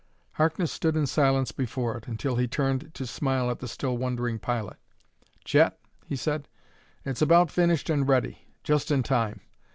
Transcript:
Harkness stood in silence before it, until he turned to smile at the still wondering pilot. "Chet," he said, "it's about finished and ready just in time.